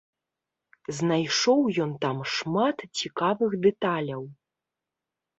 Знайшоў ён там шмат цікавых дэталяў.